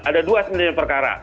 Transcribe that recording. ada dua sebenarnya perkara